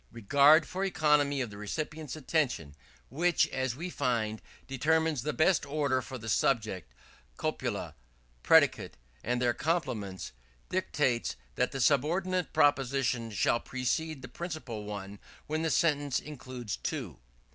Regard for economy of the recipient's attention, which, as we find, determines the best order for the subject, copula, predicate and their complements, dictates that the subordinate proposition shall precede the principal one when the sentence includes two.